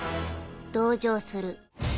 同情する。